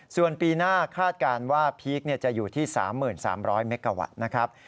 ส่วนปีหน้าคาดการณ์ว่าพีคจะอยู่ที่๓๓๐๐เมกาวัตต์นะครับ